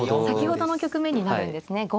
先ほどの局面になるんですね。